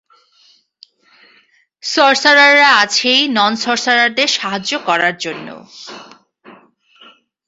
সর্সারাররা আছেই নন-সর্সারারদের সাহায্য করার জন্য।